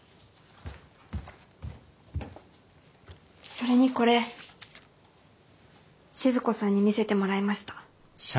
それにこれ静子さんに見せてもらいました。